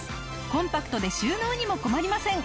コンパクトで収納にも困りません。